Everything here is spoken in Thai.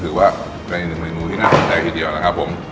ถือว่าเป็นอีกหนึ่งเมนูที่น่าสนใจทีเดียวนะครับผม